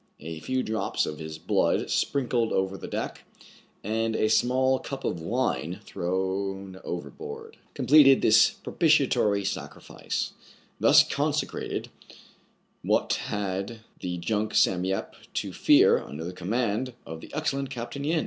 A few drops of his blood sprinkled over KIN FO'S MARKET VALUE UNCERTAIN, 197 the deck, and a small cup of wine thrown over board, completed this propitiatory sacrifice. Thus consecrated, what had the junk "Sam Yep" to fear under the command of the excellent Capt. Yin?